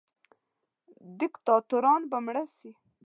دیکتاتوران به مړه سي.